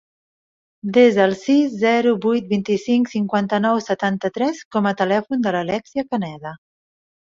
Desa el sis, zero, vuit, vint-i-cinc, cinquanta-nou, setanta-tres com a telèfon de l'Alèxia Caneda.